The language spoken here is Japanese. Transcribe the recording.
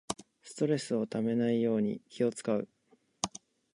ストレスためないように気をつかう